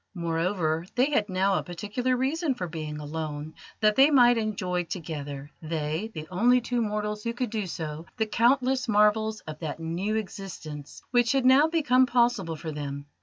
Moreover, they had now a particular reason for being alone that they might enjoy together they, the only two mortals who could do so the countless marvels of that new existence which had now become possible for them.